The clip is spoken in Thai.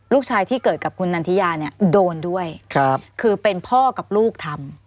ที่เกิดกับคุณนันทิยาเนี่ยโดนด้วยคือเป็นพ่อกับลูกทำ